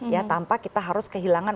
ya tanpa kita harus kehilangan